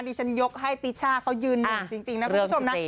ยกฉันยกให้ติช่าเขายืนหนึ่งจริงนะคุณผู้ชมนะ